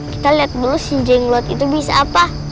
kita lihat dulu si jenglot itu bisa apa